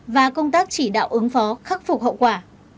và công tác chỉ đạo ứng phó khắc phục hậu quả